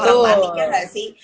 orang panik ya gak sih